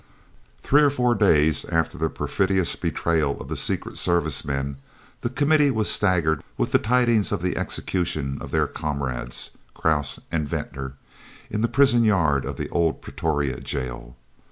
Three or four days after the perfidious betrayal of the Secret Service men the Committee was staggered with the tidings of the execution of their comrades, Krause and Venter, in the prison yard of the old Pretoria jail.